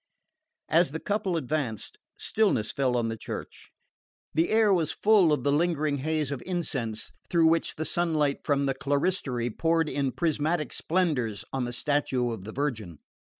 As the couple advanced, stillness fell on the church. The air was full of the lingering haze of incense, through which the sunlight from the clerestory poured in prismatic splendours on the statue of the Virgin.